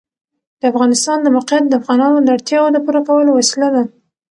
د افغانستان د موقعیت د افغانانو د اړتیاوو د پوره کولو وسیله ده.